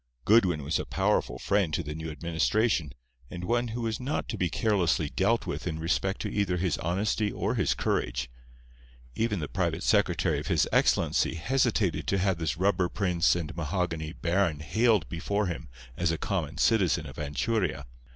Goodwin was a powerful friend to the new administration, and one who was not to be carelessly dealt with in respect to either his honesty or his courage. Even the private secretary of His Excellency hesitated to have this rubber prince and mahogany baron haled before him as a common citizen of Anchuria.